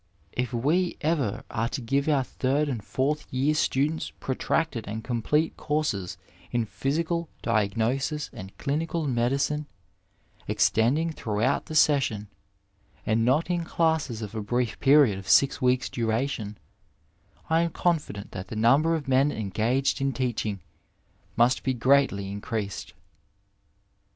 If we ever are to give our third and fourth year students protracted and complete courses in physical diagnosis and clinical medicine, ex tending throughout the session, and not in classes of a brief period of six weeks^ duration, I am confident that the number of men engaged in teaching must be greatly increased.